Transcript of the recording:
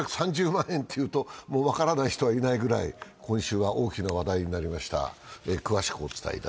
４６３０万円というと分からない人はいないくらい今週は大きな話題になりました。